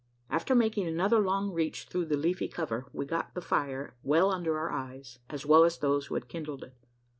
After making another long reach through the leafy cover, we got the fire well under our eyes, as well as those who had kindled it.